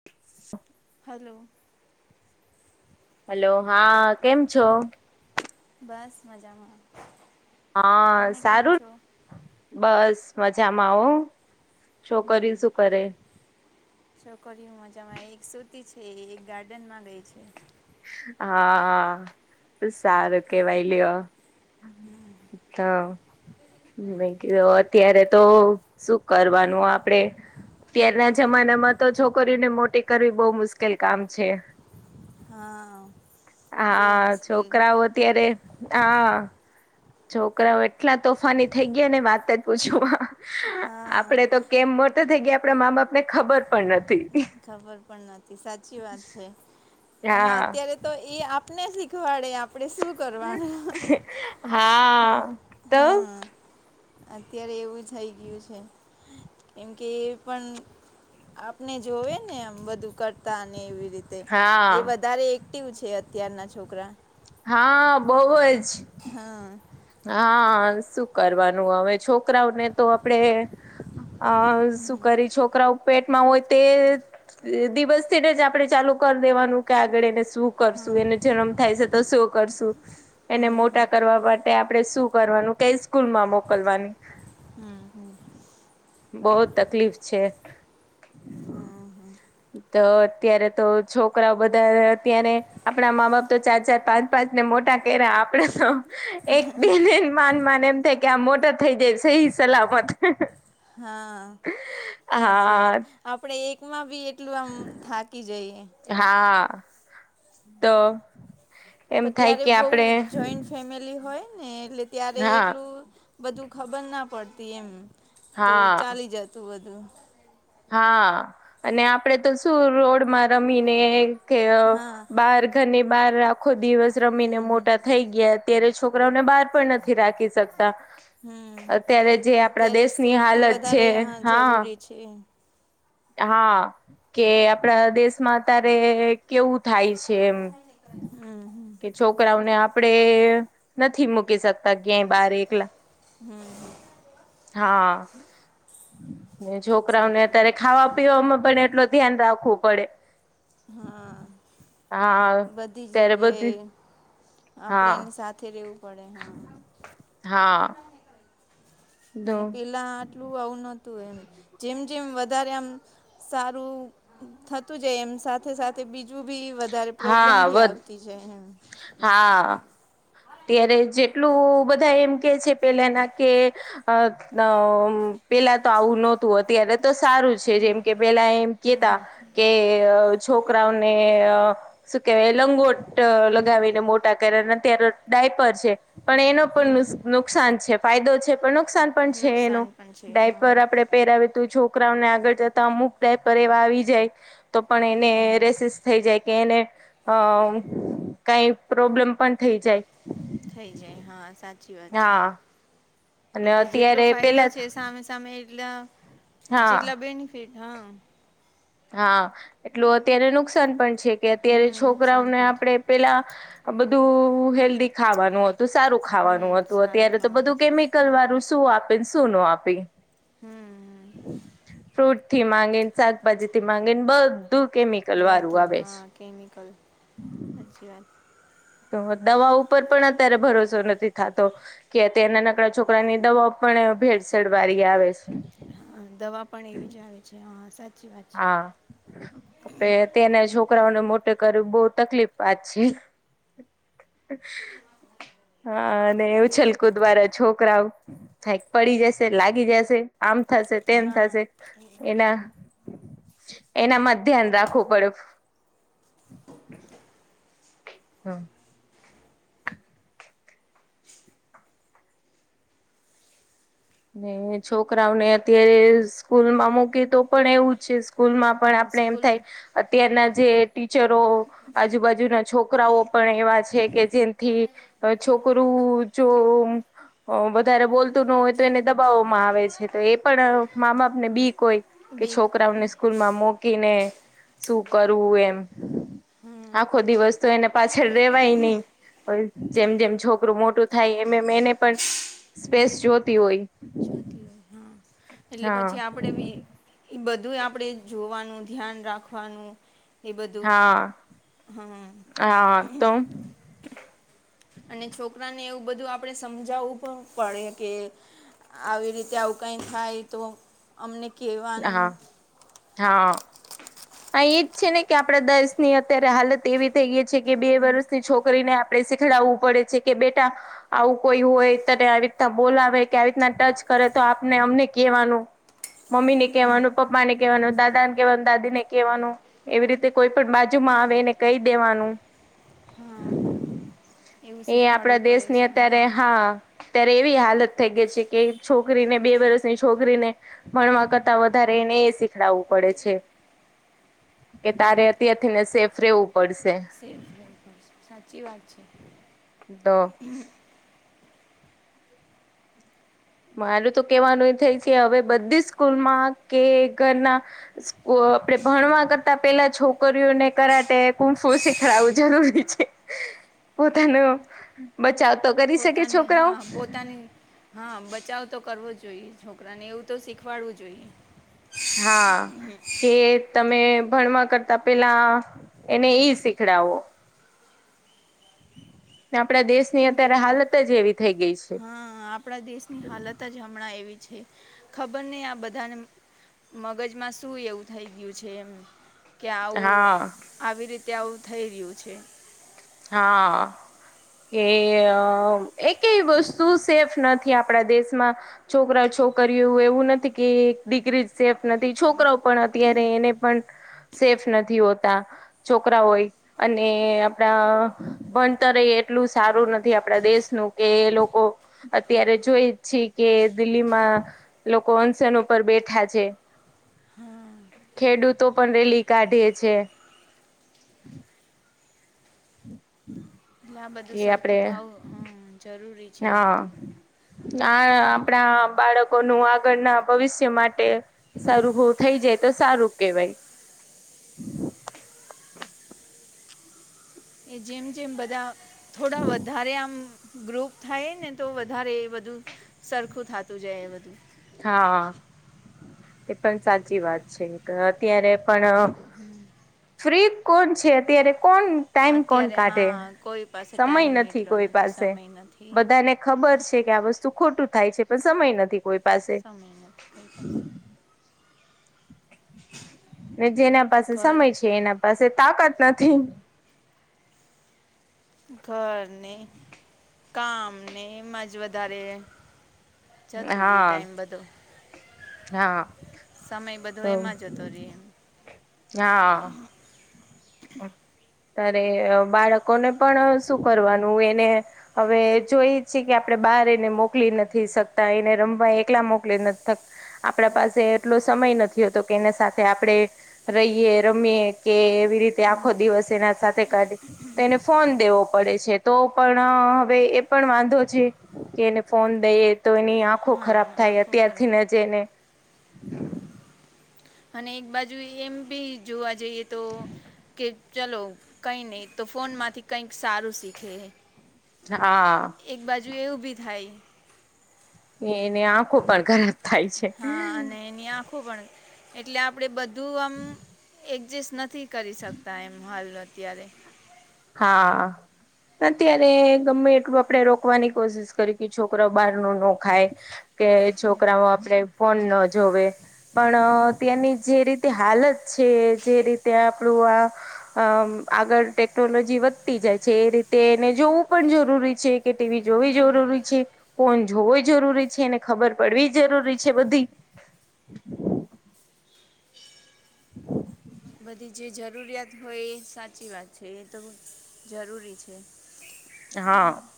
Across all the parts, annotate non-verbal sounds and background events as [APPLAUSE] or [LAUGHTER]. [UNINTELLIGIBLE] Hello. Hello હા કેમ છો? બસ મજામાં. હા તમે કેમ સારું છો બસ મજામાં હો. છોકરી શું કરે? છોકરીઓ મજામાં એક સુતી છે એક ગાર્ડન માં ગઈ છે. હા સારું કેવાય લ્યો. [INAUDIBLE] અ અત્યારે તો શું કરવાનું આપડે. અત્યારના જમાનામાં તો છોકરીઓને મોટી કરવી બહુ મુશ્કેલ કામ છે. હા. બહુ હા મુશ્કેલી છોકરાઓ અત્યારે હા. છોકરાઓ એટલા તોફાની થઈ ગયા ને વાત જ પૂછું માં હા આપડે તો. કેમ મોટા થઇ ગયા આપડા મા બાપ ને ખબર પણ નથી. ખબર પણ નથી સાચી વાત છે અને હા અત્યારે તો એ આપને શીખવાડે આપણેે શું કરવાનું. હા. તો હા. અત્યારે એવું થઈ ગયું છે એમ કે એ પણ આપણે જોવે ને એમ બધું કરતા અને એવી રીત. એ હા વધારે એક્ટિવ છે અત્યારના છોકરા હા બ‌ઉઅજ. હા. હા શું કરવાનું હવે છોકરાઓને તો આપડે અ શું કરી છોકરાઓ પેટમાં હોય તે દિવસથીને જ આપણે ચાલુ કરી દેવાનું કે આગળ એને શું કરશું એને જન્મ થાય છે તો શું કરશું એને મોટા કરવા માટે આપણે શું કરવાનું કઈ સ્કૂલમાં મોકલવાનુ‌. હું હું. બહોત તકલીફ છે. હા હા. તો અત્યારે તો છોકરાઓ બધા અત્યારે આપણા મા બાપ તો ચાર ચાર પાંચ તને મોટા કર્યા આપડે તો એક બે માન માન એમ થાય કે આમ મોટા થઈ જાય સહી સલામત હા હા સાચી વાત આપડે એકમાં બી એક એટલું આમ થાકી જઈએ હા તો એમ પણ થાય ત્યારે કે બહુ આપડે જોઈન્ટ ફેમિલી હોય ને એટલે ત્યારે હા એટલું બધું ખબર ના પડતી એમ તો હા ચાલી જતું બધું હા અને આપડે તો શું રોડમાં રમીને કે હા બાર ઘરની બહાર આખો દિવસ રમીને હમ હમ મોટા થઈ ગયા અત્યારે છોકરાઓને બહાર પણ નથી રાખી શકતા હમ અત્યારે જે આપણા અત્યારે દેશની સેફ્ટી હાલત છે વધારે હા જરૂરી છે હા કે આપણા દેશમાં અત્યારે કેવું થાય છે એમ હમ્મ હમ્મ કે છોકરાઓને આપણે નથી મૂકી શકતા ક્યાય બાર એકલા હા છોકરાઓને સાચું અત્યારે ખાવા પીવામાં પણ એટલો ધ્યાન રાખવું પડે હા હા બધી ત્યારે બધી જગ્યાએ આપણે હા એની સાથે રહેવું પડે હા હા અને પેલા આટલું આવું નહોતું એમ જેમ જેમ વધારે આમ સારું થતું જાય એમ સાથે સાથે બીજું બી વધારે પ્રોબ્લેમ હા બી વધ આવતી જાય એમ હા ત્યારે જેટલું બધા એમ કે છે પેલાના કે અ પેલા તો આવું નતું અત્યારે તો સારું છે જેમ કે પેલા એમ કેતા કે છોકરાઓને શું કેવાય લંગોટ લગાવીને મોટા કરિયા અત્યારે ડાયપર છે પણ એનો પણ નુકસાન છે ફાયદો છે પણ નુક નુકસાન પણ છે નુકસાન એનું પણ છે હા ડાયપર આપણે પહેરાવે તું છોકરાઓને આગળ જતા અમુક ડાયપર એવા આવી જાય તો પણ એને હમ રેસિસ થઈ જાય કે એને અ કઈ પ્રોબ્લેમ પણ થઈ જાય થઈ જાય હા સાચી વાત છે હા અને એટલે જેટલો અત્યારે ફાયદો પેલા છે સામે તમે એટલા હા જેટલા બેનિફિટ હા હા એટલું અત્યારે નુકસાન પણ છે કે અત્યારે હમ નુકસાન છોકરાઓને પણ છે આપણે પેલા બધું હેલ્ધી ખાવાનું હતું સારું હમ ખાવાનું હતું સારું અત્યારે તો ખાવાનું બધું કેમિકલ તલ વારું શું આપે શું ન આપી હમ ફ્રૂટ થી માંગીને શાકભાજી થી માંગીને બધું બધું કેમિકલવાળું બધું આવે છ. હાચી વાત. તો દવા ઉપર પણ અત્યારે ભરોસો નથી થાતો. કે અત્યારે નનકડા છોકરા ની દવાઓ પણ ભેળસેળ વાળી આવે છે. હા, દવા પણ એવી જ આવે છે. હા સાચી વાત છે. હા અત્યારના છોકરાઓને મોટે કરવું બહુ તકલીફ વાત છે હા અને એવું છલકુ દ્વારા છોકરાઓ થાય કે પડી જશે લાગી જશે આમ થશે તેમ હા થશે એના એનામાં જ ધ્યાન રાખવું પડે હા ને છોકરાઓને અત્યારે સ્કૂલ માં મૂકે તો પણ એવું છે સ્કૂલ માં પણ આપણ હા આપણે એમ થાય સ્કૂલમાં અત્યારના જે ટીચરો, આજુ-બાજુના છોકરાઓ પણ એવા જ છે કે જેનથી છોકરું જો વધારે બોલતું અહ ન હોય તો એને દબાવવામાં આવે છે તો એ પણ મા બાપ ને બીક હોય કે બીક હોય છોકરાઓને સ્કૂલ માં મોકીને શું કરવું એમ. હા આખો દિવસ તો એને પાછળ રેવાય નહી. વળી જેમ-જેમ છોકરું મોટું થાય એમ-એમ એને પણ સ્પેસ જોતી હોય. જોતી હોય, હા. એટલે હા પછી આપણે બી ઈ બધુંય આપણે જોવાનું, ધ્યાન રાખવાનું. ઈ બધું હા હા, હા. અને છોકરાને એવું બધું આપણે સમજાવવું પણ પડે કે આવી રીતે આવ કંઈ થાય તો અમને કેવાનું. હા હા. હા ઈજ છે ને, કે આપડા દેશ ની અત્યારે હાલત એવી થઈ ગઈ છે કે બે વર્ષની છોકરીને આપ પણે શીખડાવું પડે છે કે બેટા આવું કોઈ હોય, તને આવી રીતના બોલાવે, કે આવી રીતના ટચ કરે તો આપને અમને કહેવાનું. મમ્મીને કહેવાનું, પપ્પાને કહેવાનું, દાદાને કહેવાનું, દાદી ને કહેવાનું, એવી રીતે કોઈ પણ બાજુમાં આવે એને કહી દેવાનું. હા એવું એ આપડા શીખવાડવું પડે દેશ ની છે અત્યારે હા અત્યારે એવી હાલત થઈ ગઈ છે કે છોકરીને બે વર્ષની છોકરીને ભણવા કરતાં વધારે એને એ શીખડાવવું પડે છે. કે તારે અત્યારથી ને સેફ રેવું પડશે. [UNINTELLIGIBLE] સાચી વાત છે. તો મારું તો કેવાનું એ થાય છે હવે બધી સ્કૂલમાં કે ઘરના સ્કો આપડે ભણવા કરતા પેલા છોકરીઓને કરાટે, કૂમફુ શીખરાવું જરૂરી છે. પોતાનો બચાવ તો કરી શકે પોતાની છોકરાઓ. હા [UNINTELLIGIBLE] હા. બચાવ તો કરવો જ જોઈએ, છોકરાને એવું તો શીખવાડવું જોઈએ. હા કે તમે ભણવા કરતા પેલા એને ઈ શીખડાવો. ને આપડા દેશ ની કેમ કે અત્યારે હાલત જ એવી થઈ ગઈ છે. હા આપણા દેશની હાલત જ હમણાં એવી છે, ખબર નહીં આ બધાને મગજમાં શું એવું થઈ ગયું છે એમ. કે આવું હા આવી રીતે આવું થઈ રહ્યું છે. હા. કે અહ એકેય વસ્તુ સેફ નથી આપણા દેશમાં. છોકરા છોકરીયું એવું નથી કે એક દીકરી સેફ નથી, છોકરાઓ પણ અત્યારે એને પણ સેફ નથી હોતા છોકરાઓય. અને પણા ભણતરે એટલું સારું નથી આપડા દેશનું કે લોકો અત્યારે જોઈ જ છી કે દિલ્હીમાં એ લોકો અનશન ઉપર બેઠા છે. ખેડૂતો પણ રેલી કાઢે છે. [INAUDIBLE] એટલે આ બધું કે આપડે સરખું થાવું, હમ્મ જરૂરી છે આ હા બધું. આ આપણા બાળકોનું આગળના ભવિષ્ય માટે સરખું થઈ જાય તો સારું કેવાય. એ જેમ-જેમ બધા થોડા વધારે આમ ગ્રુપ થાય ને તો વધારે બધું સરખું થતું જાય એ બધું. હા એ પણ સાચી વાત છે અત્યારે પણ ફ્રી કોણ છે અત્યારે કોણ ટાઈમ કોણ અત્યારે કાઢે હા કોઈ પાસે સમય ટાઈમ નથી એટલો કોઈ નથી પાસે સમય નથી બધાને ખબર છે કે આ વસ્તુ ખોટું થાય છે પણ સમય નથી કોઈ પાસે સમય નથી કોઈ પાસે ને જેના પાસે ઘર સમય છે એના પાસે તાકાત નથી. ઘરને કામને એમાં જ વધારે જતુ રિયે હા ટાઈમ બધો હા સમય બધો એમાં જતો રિયે હા અરે બાળકોને પણ શું કરવાનું એને હવે જોઈ છીએ કે આપણે બહાર એને મોકલી નથી શકતા એને રમવા એકલા મોકલી નથ આપડા પાસે એટલો સમય નથી. નથી હોતો કે એને સાથે આપણે રહીએ રમીએ કે એવી રીતે આખો દિવસ એના સાથે કાઢીયે તો એને ફોન દેવો પડે છે તો પણ હવે એ પણ વાંધો છે. કે એને ફોન દઈ તો એની આંખો હા ખરાબ થાય આંખો અત્યારથી ન ખરાબ જ એને અને એક બાજુ એમ બી જોવા જઈએ તો કે ચલો કઈ નહી તો ફોનમાંથી કંઈક સારું શીખે. હા એક બાજુ એવુ ભી થાય. એને આંખો પણ ખરાબ થાય છે હા અને એની આંખો પણ એટલે આપણે બધું આમ એડજસ્ટ નથી કરી શકતા એમ હાલ અત્યારે હા અત્યારે ગમે એટલું આપડે રોકવાની કોશિશ કરી કે છોકરા બહાર ન રખાય કે છોકરાઓ આપડે ફોન ના જોવે પણ ત્યાંની જે રીતે હાલત છે જે રીતે આપણું આ અમ આગળ ટેકનોલોજી વધતી જાય છે એ રીતે એને જોવું પણ જરૂરી છે કે ટીવી જોવી જરૂરી છે. ફોન જોવો જરૂરી છેને ખબર પડવી જરૂરી છે બધી બધી જે જરૂરિયાત હોય એ સાચી વાત છે એ તો બી જરૂરી છે. હા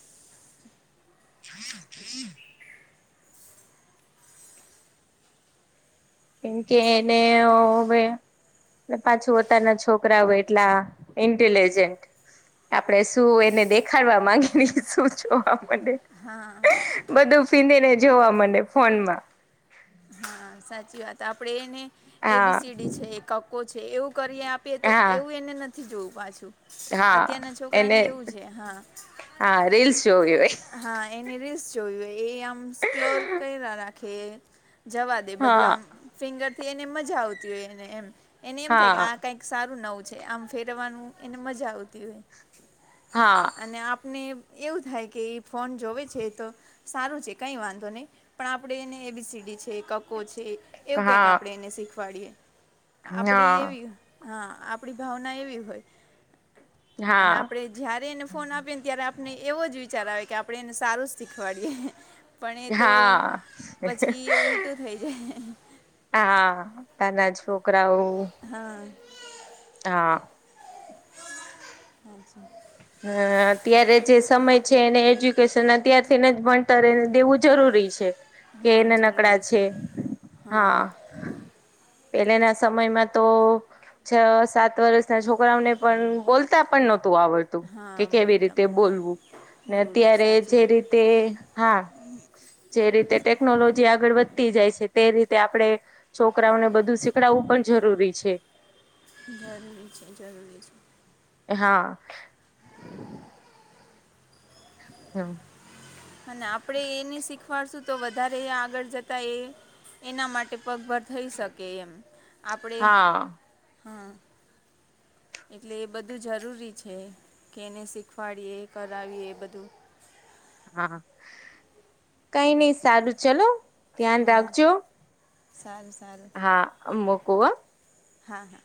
કેમ કે એને હવે પાછું અતારના છોકરા એટલા આ ઇન્ટેલિજન્ટ આપણે શું એને દેખાડવા માંગીને શું જોવા માંડે હા બધું ફીંધી ને જોવા મળે ફોન માં. હા સાચી વાત. આપડે એને. એ હા બીસીડી છે. કકો છે. એવું કરી આપીએ તો, હા એવું એને નથી જોવું પાછું. હા અત્યારના છોકરા એને ને એવું છે હા હા રીલસ જોવી હોયે હા એને રીસ જોયું હો એ આમ સ્ક્લોર હોય કઇરા રાખે જવા દે બધું હા આમ ફિંગર થી એને મજા આવતી હોયને એમ એને એમ થાય કે હા આ કઈક સારું નવું છે આમ ફેરવવાનું એને મજા આવતી હોય હા અને આપને એવું થાય કે એ ફોન જોવે છે તો સારું છે કઈ વાંધો નહી પણ આપણેે એને એબીસીડી છે કકકો છે. એવું કઈક હા આપણેે એને શીખવાડીએ આપડી હા એવી હા આપડી ભાવના એવી હોય અને હા આપણેે જયારે એને ફોન આપીએ ને ત્યારે આપને એવો જ વિચાર આવે કે આપણે એને સારું શીખવાડીએ. પણ એ તો હા પછી એ ઉલટું થઈ જાય. હા નાના છોકરાઓ હા હા હ અત્યારે જે સમય છે એને, એજ્યુકેશન અત્યારથીને જ ભણતરને દેવું જ જરૂરી છે. કે હા એને નકડા જરૂરી છે. હા પેલેના સમયમાં તો છ સાત વર્ષના છોકરાઓને પણ, બોલતા પણ નહોતું આવડતું. હા કે કેવી બોલતા રીતે, પણ બોલવું ને બોલવું અત્યારે સાચી જે વાત રીતે હા જે રીતે ટેકનોલોજી આગળ વધતી જાય છે. તે રીતે આપણે છોકરાઓને બધું શીખડવું પણ જરૂરી છે. જરૂરી છે જરૂરી છે. હા! હા! અને આપણે એને શીખવાડશું તો વધારે આગળ જતા એ એના માટે પગ ભર થઈ શકે એમ આપણે હા હા એટલે એ બધું જરૂરી છે કે એને શીખવાડીએ કરાવીએ એ બધું. હા, કઈ નઈ સારું ચલો ધ્યાન હા રાખજો સારું સારું હા મૂકું હો. હા હા.